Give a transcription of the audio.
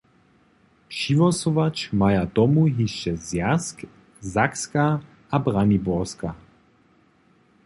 Přihłosować maja tomu hišće Zwjazk, Sakska a Braniborska.